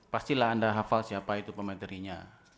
pastilah anda hafal siapa itu pematerinya